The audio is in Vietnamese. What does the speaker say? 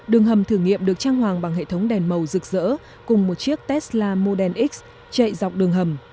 đường hầm thử nghiệm được trang hoàng bằng hệ thống đèn màu rực rỡ cùng một chiếc tesla modelx chạy dọc đường hầm